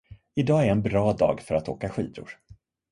Idag är en bra dag för att åka skidor.